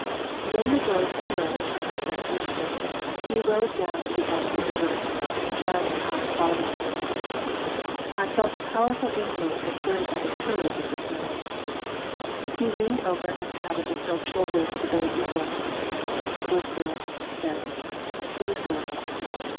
When the drove stood as the hunchback wished it, he rode down to the edge of the river, Jud and I following him. I felt the powerful influence exerted by the courage of this man. He leaned over and patted the silk shoulders of the Bay Eagle. "Good girl," he said, "good girl."